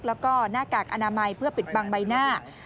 แล้วก็หน้ากากอนามัยเพื่อปิดบังใบหน้า